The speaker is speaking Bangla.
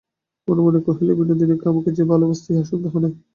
মনে মনে কহিল, বিনোদিনী আমাকে যে ভালোবাসে, ইহাতে সন্দেহ নাই।